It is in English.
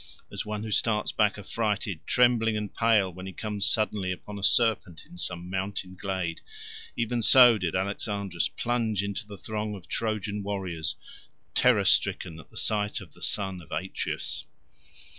As one who starts back affrighted, trembling and pale, when he comes suddenly upon a serpent in some mountain glade, even so did Alexandrus plunge into the throng of Trojan warriors, terror stricken at the sight of the son of Atreus.